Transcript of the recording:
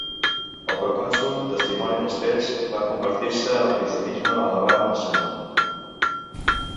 El procònsol, testimoni dels fets, va convertir-se al cristianisme alabant al Senyor.